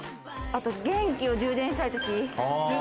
あと元気を充電したい時。